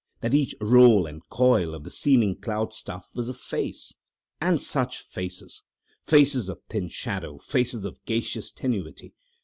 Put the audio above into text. that each roll and coil of the seeming cloud stuff was a face. And such faces! Faces of thin shadow, faces of gaseous tenuity.